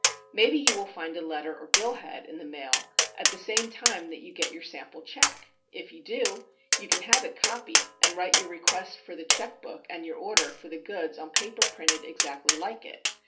Maybe you will find a letter or bill head in the mail at the same time that you get your sample check. If you do, you can have it copied and write your request for the check book and your order for the goods on paper printed exactly like it.